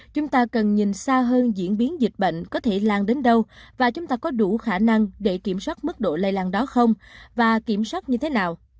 chúng ta cần nhìn xa hơn diễn biến dịch bệnh có thể lan đến đâu và chúng ta có đủ khả năng để kiểm soát mức độ lây lan đó không và kiểm soát như thế nào